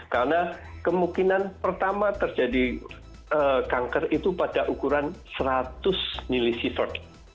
karena kemungkinan pertama terjadi kanker itu pada ukuran seratus milisievert